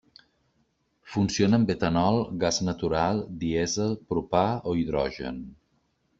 Funciona amb etanol, gas natural, dièsel, propà o hidrogen.